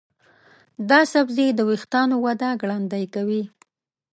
دا سبزی د ویښتانو وده ګړندۍ کوي.